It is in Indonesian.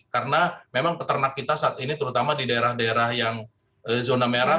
karena memang peternak kita saat ini terutama di daerah daerah yang zona merah